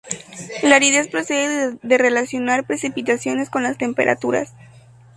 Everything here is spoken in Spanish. La aridez procede de relacionar las precipitaciones con las temperaturas.